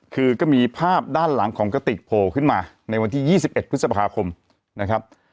คือก็มีภาพด้านหลังของกระติกโผล่ขึ้นมาในวันที่๒๑พฤษภาคมนะครับ